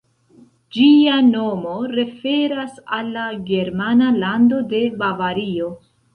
Ĝia nomo referas al la germana lando de Bavario.